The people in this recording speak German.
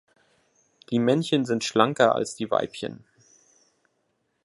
Die Männchen sind schlanker als die Weibchen.